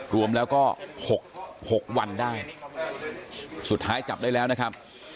รวมแล้วก็๖๖วันได้สุดท้ายจับได้แล้วนะครับ